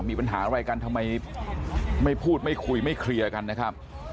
มีปัญหาอะไรกันทำไมไม่พูดไม่คุยไม่เคลียร์กันนะครับ